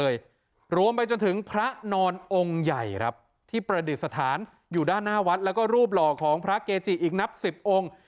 อยู่ด้านหน้าวัดและรูปหล่อของพระเกจียกนับ๑๐องค์